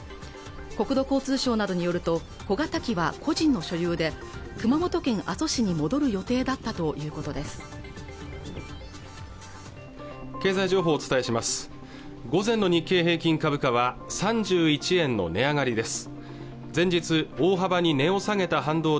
国土交通省などによると小型機は個人の所有で熊本県阿蘇市に戻る予定だったということです